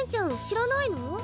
知らないの？